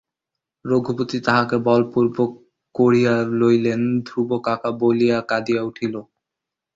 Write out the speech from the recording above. রঘুপতি তাহাকে বলপূর্বক কড়িয়া লইলেন ধ্রুব কাকা বলিয়া কাঁদিয়া উঠিল।